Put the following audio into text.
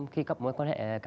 khi có mối quan hệ